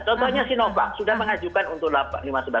contohnya sinovac sudah mengajukan untuk lima belas enam belas tahun